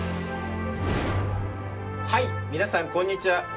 はい皆さんこんにちは！